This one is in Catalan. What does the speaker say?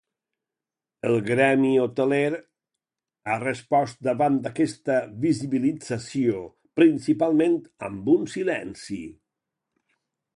El gremi hoteler ha respost davant aquesta visibilització principalment amb un silenci.